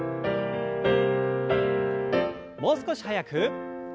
もう少し速く。